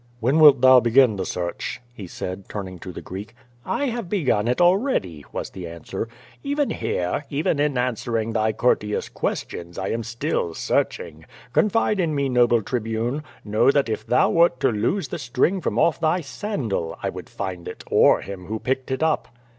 "When wilt thou begin the search?" he said, turning to the Greek. "I have begun it already," was the answer, ^^ven here, even in answering thy courteous questions, I am still search ing. Confide in me, noble Tribune. Know that if thou wert to lose the string from off thy sandal, I would find it, or him who picked it up."